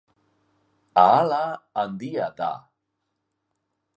Ahala handia da